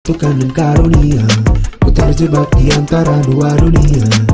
tukang dan karunia ku terjebak di antara dua dunia